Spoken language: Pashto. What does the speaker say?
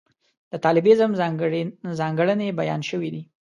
د طالبانیزم ځانګړنې بیان شوې دي.